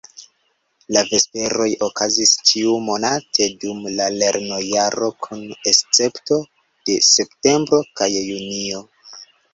La Vesperoj okazis ĉiumonate dum la lernojaro kun escepto de septembro kaj junio.